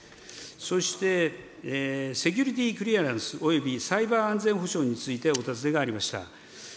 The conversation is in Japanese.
そして、セキュリティ・クリアランスおよびサイバー安全保障についてお尋ねがありました。